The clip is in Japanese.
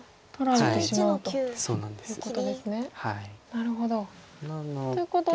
なるほど。ということで。